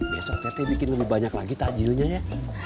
besoknya teh bikin lebih banyak lagi tajilnya ya